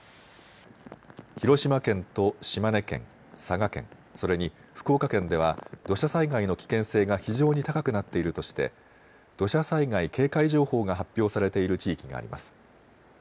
広島県と島根県、佐賀県、それに福岡県では土砂災害の危険性が非常に高くなっているとして土砂災害警戒情報が発表されている地域があります。